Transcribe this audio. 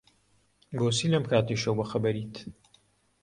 بۆچی لەم کاتەی شەو بەخەبەریت؟